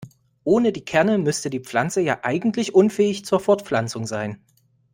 Ohne die Kerne müsste die Pflanze ja eigentlich unfähig zur Fortpflanzung sein.